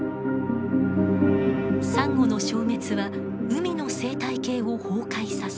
サンゴの消滅は海の生態系を崩壊させ